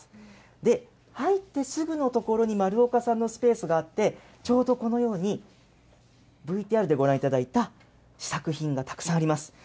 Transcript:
で、入ってすぐの所に丸岡さんのスペースがあって、ちょうどこのように、ＶＴＲでご覧いただいた試作品がたくさんあります。